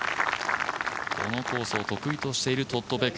このコースを得意としているトッド・ペク。